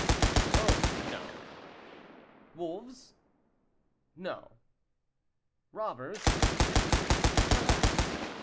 "Oh, no." "Wolves?" "No." "Robbers?" "Perhaps.